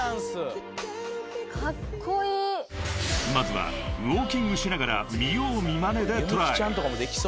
［まずはウオーキングしながら見よう見まねでトライ］